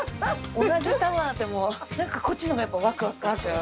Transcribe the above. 同じタワーでもなんかこっちのほうがやっぱワクワクしちゃう。